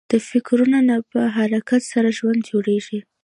د فکرو نه په حرکت سره ژوند جوړېږي.